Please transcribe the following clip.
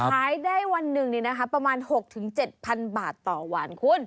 ขายได้วันหนึ่งนี่นะคะประมาณ๖๗๐๐๐บาทต่อวานคุณ